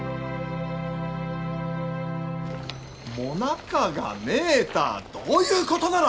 ・もなかがねえたあどういうことなら！